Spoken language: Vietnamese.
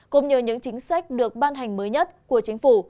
cũng như những chính sách được ban hành mới nhất của chính phủ